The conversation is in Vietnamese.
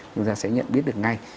chúng ta sẽ nhận biết được ngay